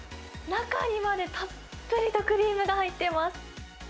中にまでたっぷりとクリームが入ってます。